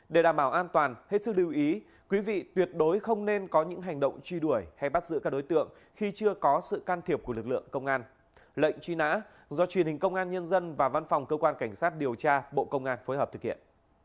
để đảm bảo an toàn hãy sự lưu ý quý vị tuyệt đối không nên có những hành động truyền hình công an nhân và văn phòng cơ quan cảnh sát điều tra bộ công an phối hợp thực hiện